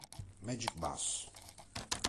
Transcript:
Magic Bus